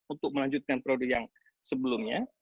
untuk melanjutkan periode yang sebelumnya